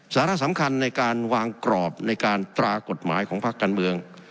สาระสำคัญในการวางกรอบในการตรากฎหมายของภาคการเมือง